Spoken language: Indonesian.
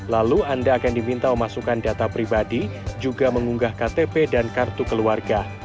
lalu anda akan diminta memasukkan data pribadi juga mengunggah ktp dan kartu keluarga